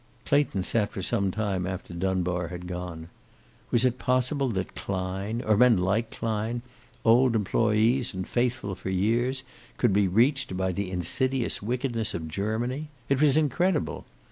Clayton sat for some time after Dunbar had gone. Was it possible that Klein, or men like Klein, old employees and faithful for years, could be reached by the insidious wickedness of Germany? It was incredible.